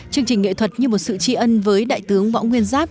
chương trình nghệ thuật như một sự tri ân với đại tướng võ nguyên giáp